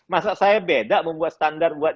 masa saya beda membuat standar buat